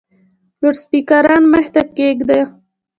لوډسپیکران مخ ته کښېږده !